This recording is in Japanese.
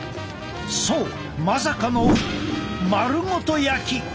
そうまさかの丸ごと焼き！